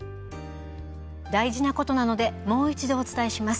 大事なことなのでもう一度お伝えします。